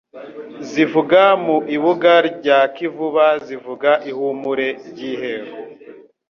Zivuga mu ibuga rya KivubaZivuga i Humure ry' iheru